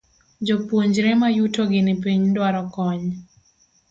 Jopuonjre mayuto gi ni piny dwaro kony.